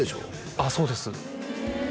ああそうです